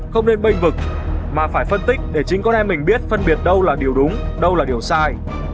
không nên bênh vực mà phải phân tích để chính con em mình biết phân biệt đâu là điều đúng đâu là điều sai